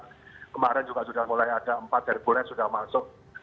kemarin juga sudah mulai ada empat yang sudah masuk